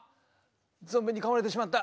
「ゾンビにかまれてしまった」。